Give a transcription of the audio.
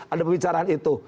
ada pembicaraan itu